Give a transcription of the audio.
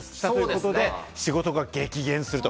それで仕事が激減すると。